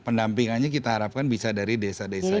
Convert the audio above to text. pendampingannya kita harapkan bisa dari desa desa